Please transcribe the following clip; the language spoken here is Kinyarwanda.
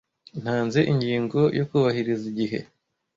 Ntanze ingingo yo kubahiriza igihe.